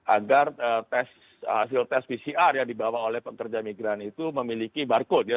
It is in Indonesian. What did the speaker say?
agar hasil tes pcr yang dibawa oleh pekerja migran itu memiliki barcode ya